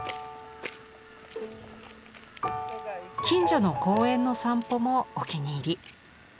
近所の公園の散歩もお気に入り。